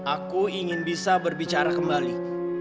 aku ingin bisa berbicara kembali